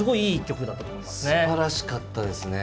すばらしかったですね。